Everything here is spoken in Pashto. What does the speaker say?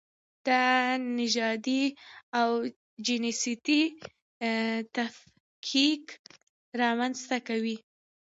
دا نژادي او جنسیتي تفکیک رامنځته کوي.